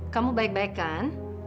kamu baik baik kan